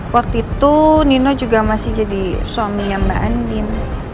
waktu itu nino juga masih jadi suaminya mbak andin